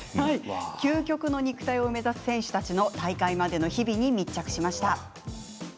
究極の肉体を目指す選手たちの大会までの日々に密着しました。